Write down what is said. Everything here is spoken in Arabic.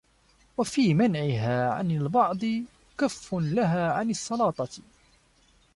وَفِي مَنْعِهَا عَنْ الْبَعْضِ كَفٌّ لَهَا عَنْ السَّلَاطَةِ